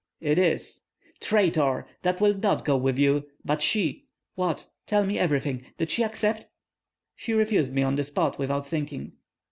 "It is." "Traitor! that will not go with you! But she what tell me everything. Did she accept?" "She refused me on the spot, without thinking."